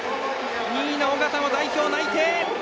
２位の小方も代表内定！